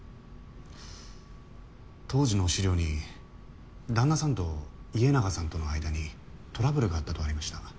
当時の資料に旦那さんと家長さんとの間にトラブルがあったとありました。